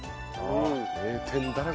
名店だらけ。